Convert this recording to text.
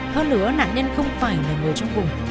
nếu nạn nhân không phải là người trong vùng